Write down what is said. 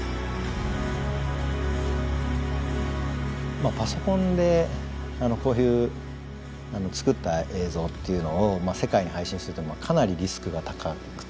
まあパソコンでこういう作った映像っていうのを世界に配信するってかなりリスクが高くてですね